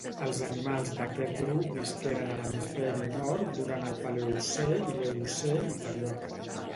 Els animals d'aquest grup visqueren a l'hemisferi nord durant el Paleocè i l'Eocè inferior.